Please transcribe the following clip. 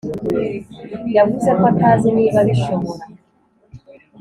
yavuze ko atazi niba abishobora